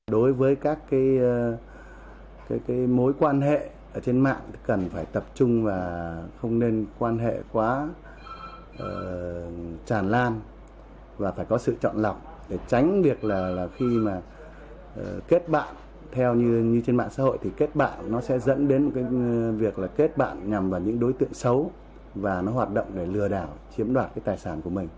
đối với các mối quan hệ trên mạng cần phải tập trung và không nên quan hệ quá